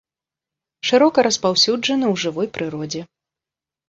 Шырока распаўсюджаны ў жывой прыродзе.